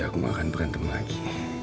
aku janji aku gak akan berantem lagi